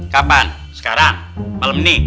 kapan sekarang malem nih